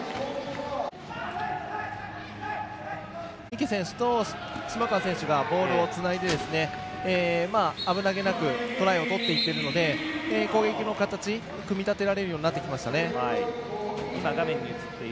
池選手と島川選手がボールをつないで、危なげなくトライを取っていっているので攻撃の形、組み立てられるようになってきました。